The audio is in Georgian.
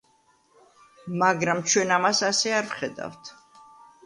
მაგრამ ჩვენ ამას ასე არ ვხედავთ.